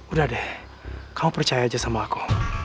udah deh kamu percaya aja sama aku